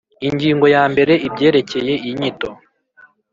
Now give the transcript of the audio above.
Ingingo ya mbere Ibyerekeye Inyito